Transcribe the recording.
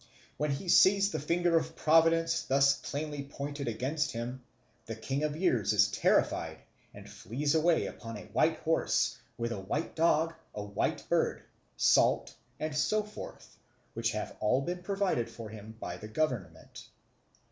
When he sees the finger of Providence thus plainly pointed against him, the King of the Years is terrified and flees away upon a white horse, with a white dog, a white bird, salt, and so forth, which have all been provided for him by the government.